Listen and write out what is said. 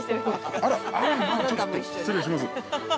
あらまあ、ちょっと失礼します。